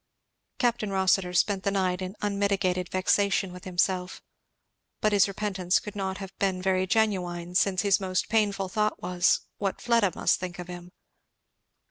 Capt. Rossitur passed the night in unmitigated vexation with himself. But his repentance could not have been very genuine, since his most painful thought was, what Fleda must think of him.